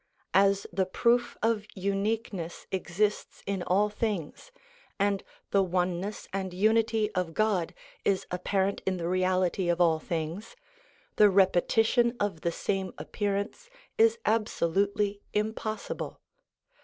As the proof of uniqueness exists in all things, and the One ness and Unity of God is apparent in the reality of all things, the repetition of the same appearance is absolutely impossible.